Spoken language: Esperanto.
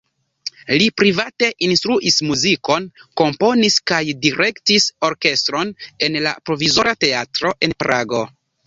Li private instruis muzikon, komponis kaj direktis orkestron en la Provizora Teatro en Prago.